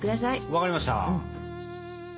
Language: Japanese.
分かりました。